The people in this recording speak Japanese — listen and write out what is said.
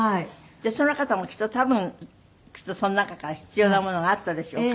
じゃあその方もきっと多分その中から必要なものがあったでしょうからね。